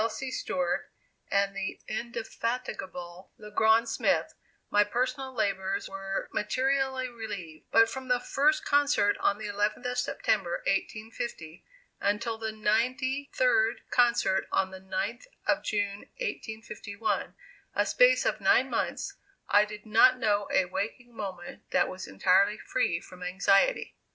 C. Stewart, and the indefatigable Le Grand Smith, my personal labors were materially relieved; but from the first concert on the 11th of September, 1850, until the ninety third concert on the 9th of June, 1851, a space of nine months, I did not know a waking moment that was entirely free from anxiety.